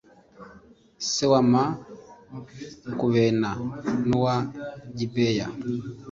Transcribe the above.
se wa makubena n'uwa gibeya